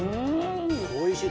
おいしい。